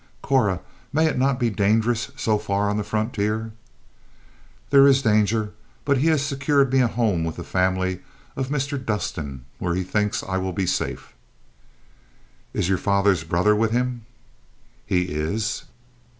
"Cora, may it not be dangerous so far on the frontier?" "There is danger; but he has secured me a home with the family of Mr. Dustin, where he thinks I will be safe." "Is your father's brother with him?" "He is."